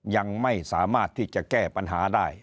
ยังไม่สามารถที่จะแก้ปัญหาได้